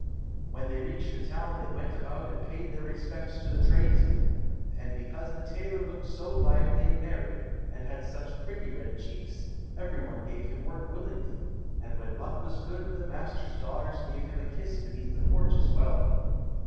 When they reached a town they went about and paid their respects to the tradesmen, and because the tailor looked so lively and merry, and had such pretty red cheeks, every one gave him work willingly, and when luck was good the master's daughters gave him a kiss beneath the porch, as well.